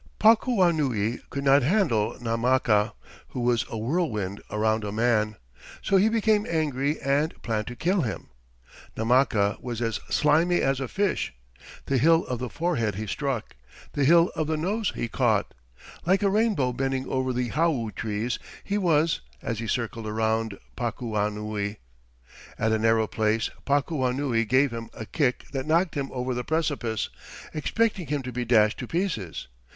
Pakuanui could not handle Namaka, who was a "whirlwind around a man," so he became angry and planned to kill him. Namaka was as "slimy as a fish." "The hill of the forehead he struck. The hill of the nose he caught." Like a rainbow bending over the hau trees he was, as he circled around Pakuanui. At a narrow place Pakuanui gave him a kick that knocked him over the precipice, expecting him to be dashed to pieces.